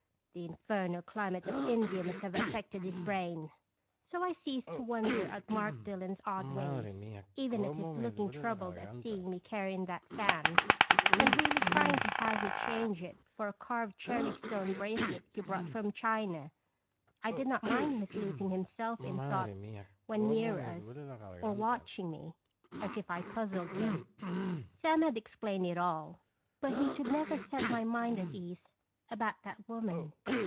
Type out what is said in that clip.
The infernal climate of India must have affected his brain." So I ceased to wonder at Mark Dillon's odd ways, even at his looking troubled at seeing me carrying that fan, and really trying to have me change it for a carved cherry stone bracelet he brought from China. I did not mind his losing himself in thought when near us, or watching me, as if I puzzled him. Sam had explained it all, but Beronfc (Earfc tDins." 237 he could never set my mind at ease about that woman.